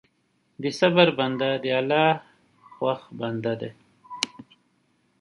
د صبر بنده د الله خوښ بنده دی.